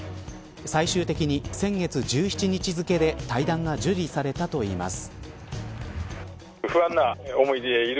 最終的に先月１７日付で退団が受理されたといいます。